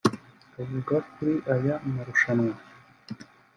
Avuga kuri aya marushanwa